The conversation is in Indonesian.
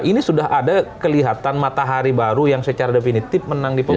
ini sudah ada kelihatan matahari baru yang secara definitif menang di pemilu